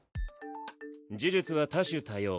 呪術は多種多様。